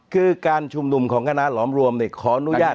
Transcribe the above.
คือการชุมนุมของคณะหลอมรวมขออนุญาต